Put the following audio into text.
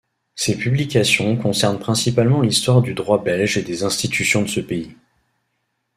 Ses publications concernent principalement l'histoire du droit belge et des institutions de ce pays.